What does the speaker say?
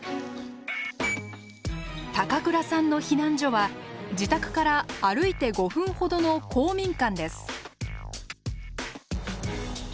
倉さんの避難所は自宅から歩いて５分ほどの公民館です。